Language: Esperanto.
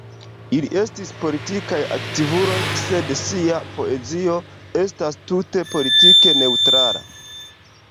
Ili estis politikaj aktivuloj, sed sia poezio estas tute politike neŭtrala.